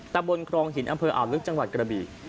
ตะบนครองหินอำเภออ่าวลึกจังหวัดกระบี